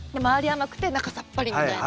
甘くて中さっぱりみたいな。